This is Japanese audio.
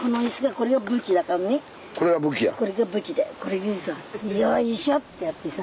これでさよいしょってやってさ。